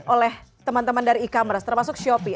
oleh teman teman dari e commerce termasuk shopee